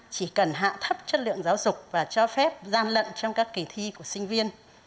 chỉ cần hạ thấp chất lượng giáo dục và cho phép gian lận trong các kỳ thi của sinh viên